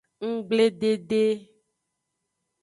Nggbledede.